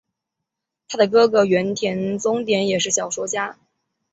她的哥哥原田宗典也是小说家。